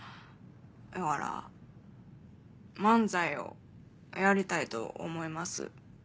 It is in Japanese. だから漫才をやりたいと思います。